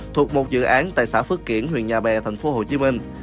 thuộc một dự án tại xã phước kiển huyện nhà bè thành phố hồ chí minh